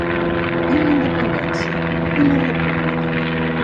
I la independència i la república?